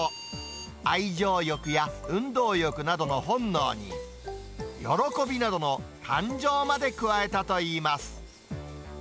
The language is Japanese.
愛情欲や運動欲などの本能に、喜びなどの感情まで加えたといいます。